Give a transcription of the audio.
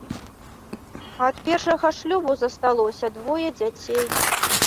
Ад першага шлюбу засталося двое дзяцей.